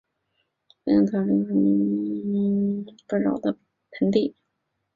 白彦陶力木湖在蒙古语中的意思是富饶的盆地。